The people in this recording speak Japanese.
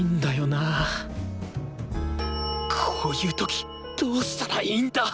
こういう時どうしたらいいんだ！？